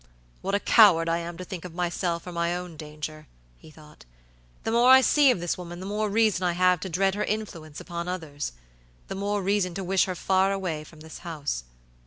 "What a coward I am to think of myself or my own danger," he thought. "The more I see of this woman the more reason I have to dread her influence upon others; the more reason to wish her far away from this house."